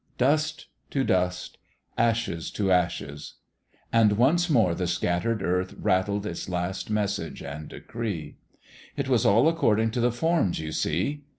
... Dust to dust, ashes to ashes and once more the scattered earth rattled its last message and decree. It was all according to the forms, you see.